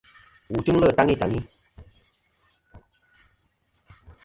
Wu tɨmlɨ taŋi taŋi.